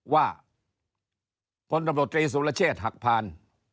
ว่าพลตบตรีสุรเชษฐ์หักผ่าน